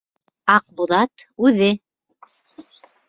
Аҡбуҙат үҙе!